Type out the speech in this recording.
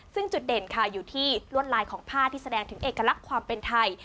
ซึ่งจุดเด่นค่ะอยู่ที่ลวดลายของผ้าที่แสดงถึงเอกลักษณ์ความเป็นไทย